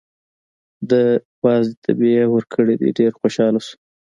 د وازدې تبی یې ورکړی دی، ډېر خوشحاله شو.